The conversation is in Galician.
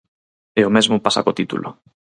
E o mesmo pasa co título.